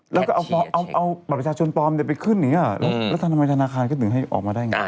แล้วก็เอาบัตรประชาชนปลอมไปขึ้นอย่างนี้หรอแล้วทำไมธนาคารก็ถึงให้ออกมาได้ไง